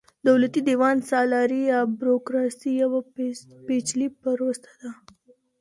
دولتي دېوان سالاري يا بروکراسي يوه پېچلې پروسه ده.